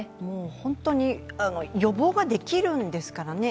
本当に、予防ができるんですからね。